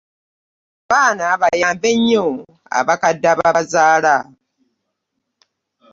Abaana bayambe nnyo abakadde ababazaala.